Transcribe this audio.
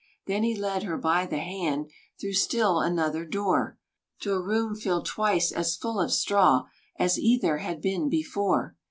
Then he led her by the hand Through still another door, To a room filled twice as full of straw As either had been before.